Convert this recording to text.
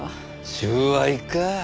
収賄か。